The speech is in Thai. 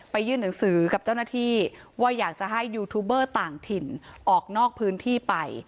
ยื่นหนังสือกับเจ้าหน้าที่ว่าอยากจะให้ยูทูบเบอร์ต่างถิ่นออกนอกพื้นที่ไป